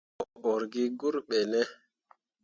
Mo ur gi gur ɓene ?